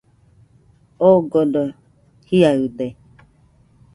Odogo jiaɨde